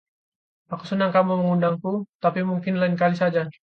Aku senang kamu mengundangku, tapi mungkin lain kali saja.